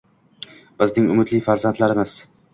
Bizning umidli farzandlarimiz